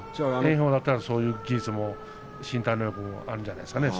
炎鵬だったらそういう技術も身体能力もあるんじゃないですかね。